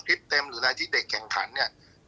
เต็มหรืออะไรที่เด็กแข่งขันเนี่ย